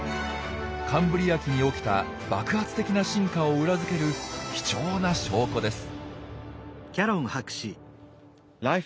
カンブリア紀に起きた爆発的な進化を裏付ける貴重な証拠です。